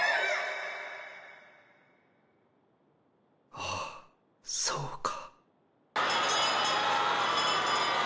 ああそうか。